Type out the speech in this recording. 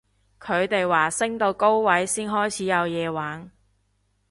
佢哋話升到高位先開始有嘢玩